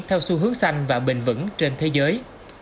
theo xu hướng xanh và bình vẩn trên thế giới